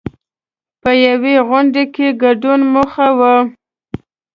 په یوې غونډې کې ګډون موخه وه.